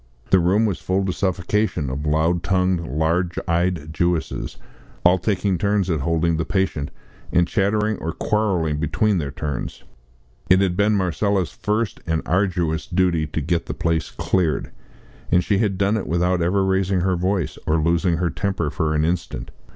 The room, was full to suffocation of loud tongued, large eyed Jewesses, all taking turns at holding the patient, and chattering or quarrelling between their turns. It had been Marcella's first and arduous duty to get the place cleared, and she had done it without ever raising her voice or losing her temper for an instant.